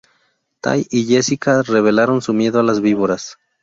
Tai y Jessica revelaron su miedo a las víboras.